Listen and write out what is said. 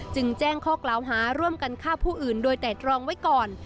แจ้งข้อกล่าวหาร่วมกันฆ่าผู้อื่นโดยแต่ตรองไว้ก่อน